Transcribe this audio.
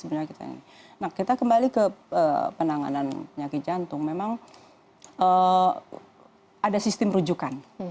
nah kita kembali ke penanganan penyakit jantung memang ada sistem rujukan